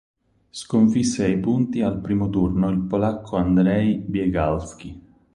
Sconfisse ai punti al primo turno il polacco Andrzej Biegalski.